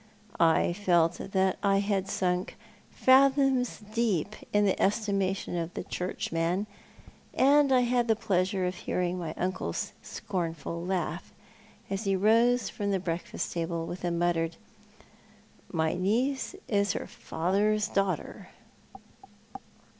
I felt that I had sunk fathoms deep in the estimation of the Churchman ; and I had the pleasure of hearing my uncle's scornful laugh, as he rose from the breakfast table, with a muttered " My niece is her father's daughter."